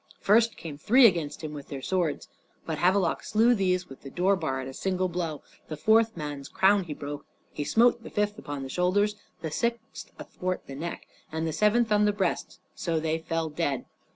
First came three against him with their swords, but Havelok slew these with the door bar at a single blow; the fourth man's crown he broke; he smote the fifth upon the shoulders, the sixth athwart the neck, and the seventh on the breast; so they fell dead.